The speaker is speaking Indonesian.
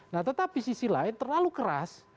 nah tetapi sisi lain terlalu keras